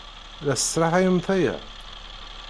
La tesraḥayemt aya?